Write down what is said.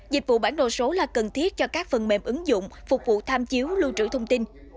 dịch vụ bản đồ số là cần thiết cho các phần mềm ứng dụng phục vụ tham chiếu lưu trữ thông tin